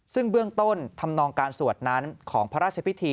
ซึ่งเบื้องต้นธรรมนองการสวดนั้นของพระราชพิธี